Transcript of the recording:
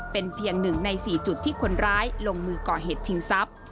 เป็นเพียง๑ใน๔จุดที่คนร้ายลงมือก่อเหตุชิงทรัพย์